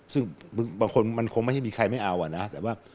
ซึ่งบางคนมันคงไม่ให้มีใครไม่เอาอ่ะนะแต่ว่า